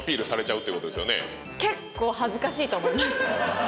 けっこう恥ずかしいと思います